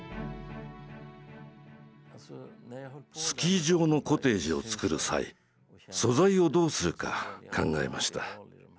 スキー場のコテージをつくる際素材をどうするか考えました。